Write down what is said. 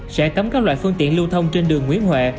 sẽ cấm các loại phương tiện lưu thông trên đường nguyễn huệ